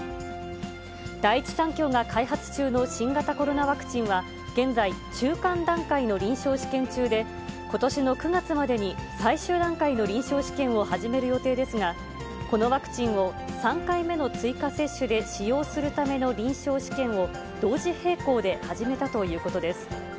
第一三共が開発中の新型コロナワクチンは、現在、中間段階の臨床試験中で、ことしの９月までに、最終段階の臨床試験を始める予定ですが、このワクチンを３回目の追加接種で使用するための臨床試験を、同時並行で始めたということです。